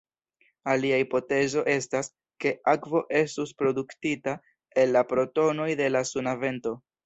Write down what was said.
Alia hipotezo estas, ke akvo estus produktita el la protonoj de la suna vento.